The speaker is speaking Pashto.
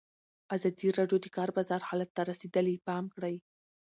ازادي راډیو د د کار بازار حالت ته رسېدلي پام کړی.